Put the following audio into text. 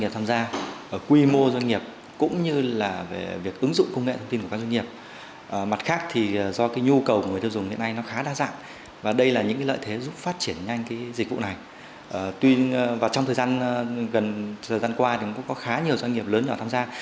trong thời gian qua có khá nhiều doanh nghiệp lớn nhỏ tham gia